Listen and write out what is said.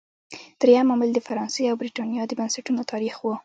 درېیم عامل د فرانسې او برېټانیا د بنسټونو تاریخ و.